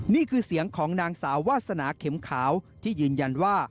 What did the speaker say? นี่คือเสียงของนางสาววาสนาเข็มขาวที่ยืนยันว่า